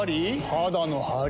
肌のハリ？